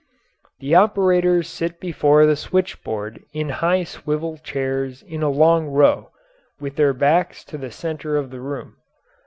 The operators sit before the switchboard in high swivel chairs in a long row, with their backs to the centre of the room.